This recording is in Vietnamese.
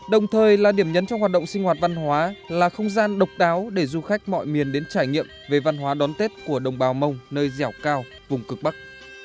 đồng thời là điểm nhấn trong hoạt động sinh hoạt văn hóa là không gian độc đáo để du khách mọi miền đến trải nghiệm về văn hóa đón tết của đồng bào mông nơi dẻo cao vùng cực bắc